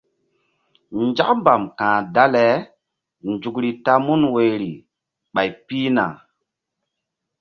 Nzak mbam ka̧h dale nzukri ta mun woyri ɓay pihna.